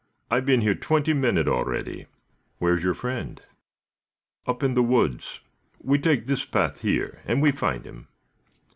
"I been here twenty minute, already." "Where's your friend?" "Up in the woods. We take this path here, and we find him."